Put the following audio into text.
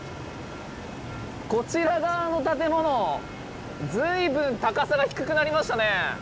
こちら側の建物随分高さが低くなりましたねえ。